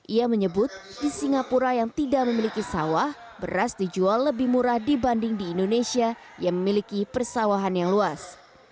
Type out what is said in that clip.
ia menyebut di singapura yang tidak memiliki sawah beras dijual lebih murah dibanding di indonesia yang memiliki persawahan yang luas